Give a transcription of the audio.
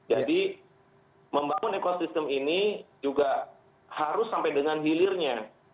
jadi membangun ekosistem ini juga harus sampai dengan hilirnya